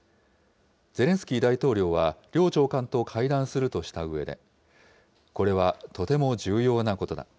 ゼレンスキー大統領は両長官と会談するとしたうえで、これはとても重要なことだ。